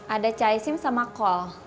ada caisim sama kol